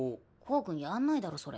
コウ君やんないだろそれ。